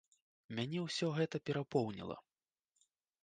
Мяне ўсё гэта перапоўніла.